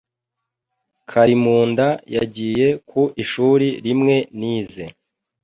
Karimunda yagiye ku ishuri rimwe nize.